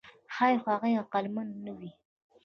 ښایي هغوی عقلمن نه وي.